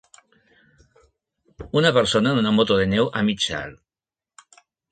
Una persona en una moto de neu a mig salt.